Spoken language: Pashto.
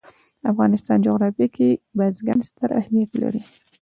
د افغانستان جغرافیه کې بزګان ستر اهمیت لري.